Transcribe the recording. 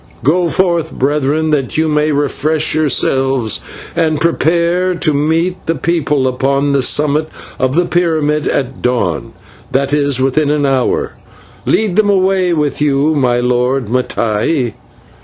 Go forth, Brethren, that you may refresh yourselves, and prepare to meet the people upon the summit of the pyramid at dawn; that is, within an hour. Lead them away with you, my Lord Mattai."